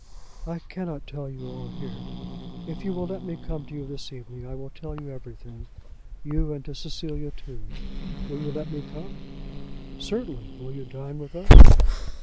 "I cannot tell you all here. If you will let me come to you this evening I will tell you everything, to you and to Cecilia too. Will you let me come?" "Certainly. Will you dine with us?"